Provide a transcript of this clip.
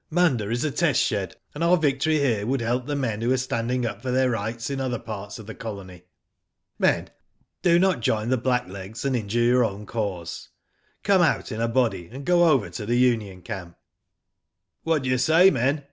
Munda is a test shed, and our victory here would help the men who are standing up for their rights in other parts of the colony. Men, do not join the blacklegs, and injure your own cause. Come out in a body, and go over to the union camp." "What do you say men?